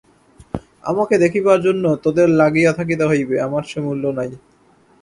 আমাকে দেখিবার জন্য তোদের লাগিয়া থাকিতে হইবে, আমার সে মূল্য নাই।